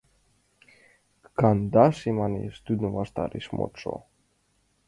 — Кандаше, — манеш тудын ваштареш модшо.